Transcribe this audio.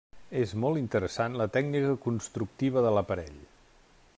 És molt interessant la tècnica constructiva de l'aparell.